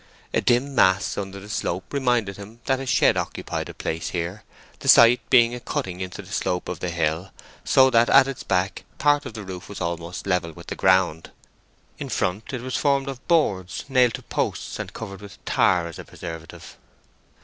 A dim mass under the slope reminded him that a shed occupied a place here, the site being a cutting into the slope of the hill, so that at its back part the roof was almost level with the ground. In front it was formed of board nailed to posts and covered with tar as a preservative.